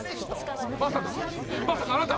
まさかまさかあなた！